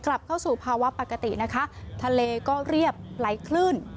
กลับเข้าสู่ภาวะปกตินะคะทะเลก็เรียบไหลคลื่น